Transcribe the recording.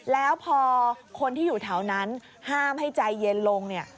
แล้วพอคนที่อยู่แถวนั้นห้ามให้ใจเย็นลงเนี่ย